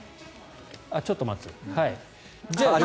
ちょっと待つ。